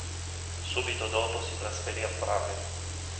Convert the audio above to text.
Subito dopo si trasferì a Praga.